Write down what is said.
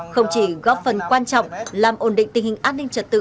không chỉ góp phần quan trọng làm ổn định tình hình an ninh trật tự